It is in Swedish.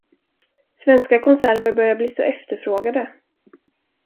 Svenska konserver börjar bli så efterfrågade.